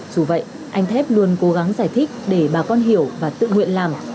dù vậy anh thép luôn cố gắng giải thích để bà con hiểu và tự nguyện làm